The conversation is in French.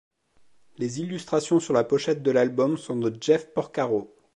Les illustrations sur la pochette de l'album sont de Jeff Porcaro.